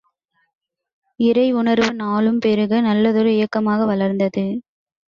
இறை உணர்வு நாளும் பெருக நல்லதொரு இயக்கமாக வளர்ந்தது.